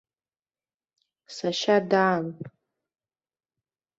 Сашьа даан.